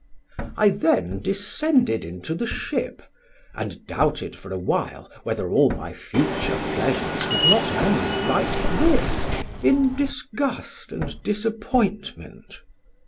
I then descended into the ship, and doubted for awhile whether all my future pleasures would not end, like this, in disgust and disappointment.